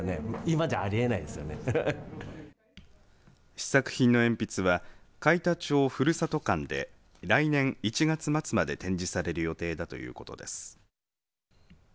試作品の鉛筆は海田町ふるさと館で来年１月末まで展示される予定だということです。